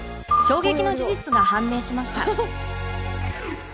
衝撃の事実が判明しました